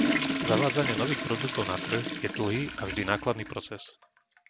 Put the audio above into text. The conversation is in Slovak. Zavádzanie nových produktov na trh je dlhý a vždy nákladný proces.